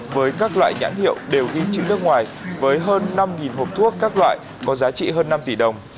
với các loại nhãn hiệu đều ghi chữ nước ngoài với hơn năm hộp thuốc các loại có giá trị hơn năm tỷ đồng